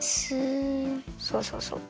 そうそうそう。